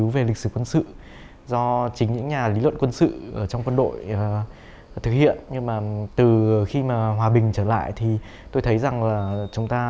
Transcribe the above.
về lịch sử quân sự của cha ông